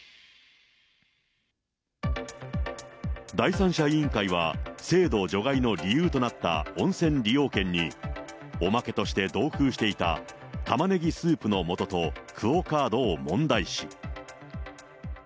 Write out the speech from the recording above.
第三者委員会は、制度除外の理由となった温泉利用券に、おまけとして同封していたタマネギスープのもととクオカードを問題視。